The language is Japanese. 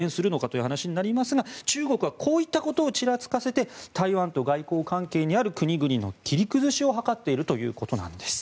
逆に言うと、台湾と断交すれば支援するのかという話ですが中国は、こういったことをちらつかせて台湾と外交関係にある国々の切り崩しを図っているということなんです。